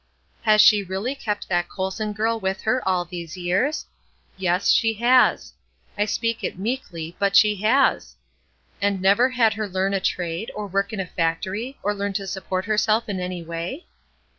"Has she really kept that Colson girl with her all these years?" Yes, she has. I speak it meekly, but she has! "And never had her learn a trade, or work in a factory, or learn to support herself in any way?"